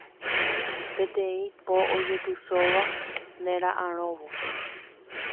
Peteĩ po ojepysóva nera'ãrõvo